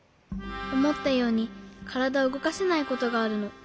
おもったようにからだをうごかせないことがあるの。